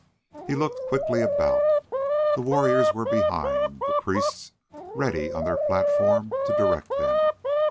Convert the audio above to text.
He looked quickly about. The warriors were behind, the priests ready on their platform to direct them.